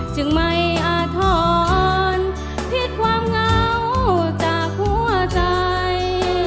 จึงไม่อาทรผิดความเหงาจากหัวใจ